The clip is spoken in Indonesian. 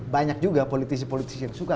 banyak juga politisi politisi yang suka